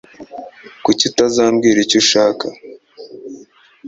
Kuki utazambwira icyo ushaka